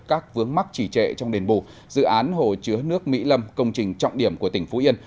các vướng mắc chỉ trệ trong đền bù dự án hồ chứa nước mỹ lâm công trình trọng điểm của tỉnh phú yên